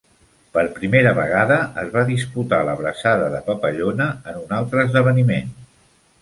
Per primera vegada, es va disputar la braçada de papallona en un altre esdeveniment.